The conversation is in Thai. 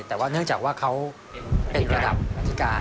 แต่ว่าเนื่องจากว่าเขาเป็นระดับอธิการ